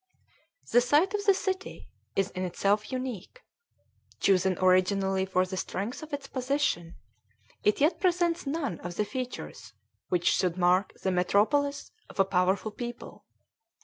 The site of the city is in itself unique. Chosen originally for the strength of its position, it yet presents none of the features which should mark the metropolis of a powerful people.